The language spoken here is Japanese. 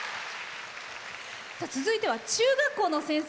続いては、中学校の先生。